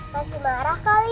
masih marah kali